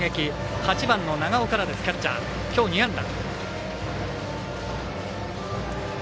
８番の長尾から、キャッチャーきょう、２安打。